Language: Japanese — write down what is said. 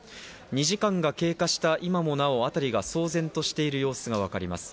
２時間が経過した今もなお、辺りは騒然としている様子がわかります。